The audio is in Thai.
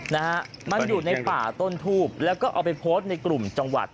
นะฮะมันอยู่ในป่าต้นทูบแล้วก็เอาไปโพสต์ในกลุ่มจังหวัด